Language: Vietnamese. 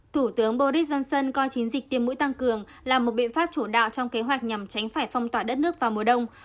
thủ tướng boris johnson coi chiến dịch tiêm mũi tăng cường là một biện pháp chủ đạo trong kế hoạch nhằm tránh phải phong tỏa đất nước vào mùa đông